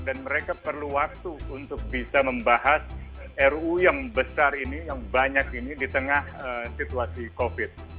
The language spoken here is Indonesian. dan mereka perlu waktu untuk bisa membahas ruu yang besar ini yang banyak ini di tengah situasi covid